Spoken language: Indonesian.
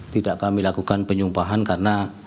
tidak kami lakukan penyumpahan karena